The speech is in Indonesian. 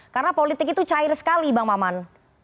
karena politik itu cair sekali bang maman